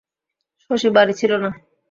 শশী বাড়ি ছিল না।